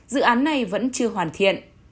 dự án này vẫn chưa hoàn thiện